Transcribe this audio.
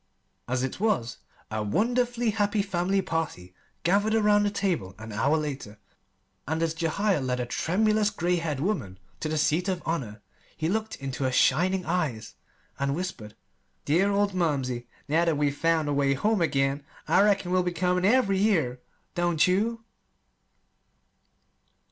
As it was, a wonderfully happy family party gathered around the table an hour later; and as Jehiel led a tremulous, gray haired woman to the seat of honor, he looked into her shining eyes and whispered: "Dear old mumsey, now that we've found the way home again, I reckon we'll be coming every year don't you?"